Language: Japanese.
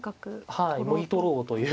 はいもぎ取ろうという。